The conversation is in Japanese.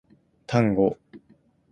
タンゴ